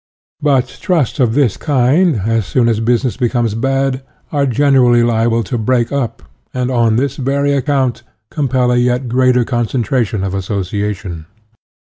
But trusts of this kind, as soon as business becomes bad, are generally liable to break up, and, on this very account, compel a yet greater concentration of association.